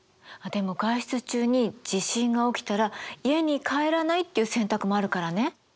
でも外出中に地震が起きたら家に帰らないっていう選択もあるからね。